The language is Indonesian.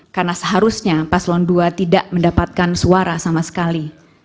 karena seharusnya paslon dua tidak mendapatkan suara sama sekali